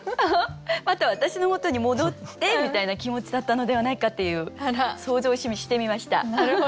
「また私のもとに戻って！」みたいな気持ちだったのではないかっていう想像をしてみました。